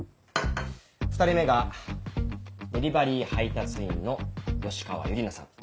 ２人目がデリバリー配達員の吉川友理奈さん。